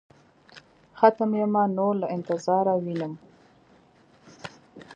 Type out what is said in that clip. ختم يمه نور له انتظاره وينم.